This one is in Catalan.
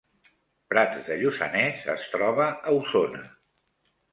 Prats de Lluçanès es troba a Osona